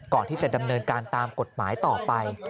ก่อนที่จะดำเนินการตามกฎหมายต่อไป